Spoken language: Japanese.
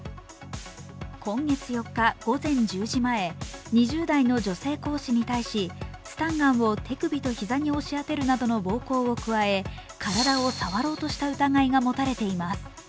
今月４日午前１０時前２０代の女性講師に対しスタンガンを手首と膝に押し当てるなどの暴行を加え、体を触ろうとした疑いが持たれています。